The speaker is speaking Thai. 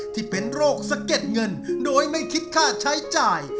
ที่เป็นโรคสะเก็ดเงินโดยไม่คิดค่าใช้จ่าย